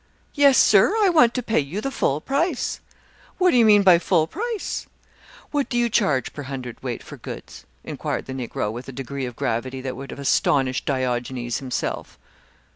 "Yes, sir, I want to pay you the full price." "What do you mean by full price?" "What do you charge per hundred weight for goods?" inquired the Negro with a degree of gravity that would have astonished Diogenes himself.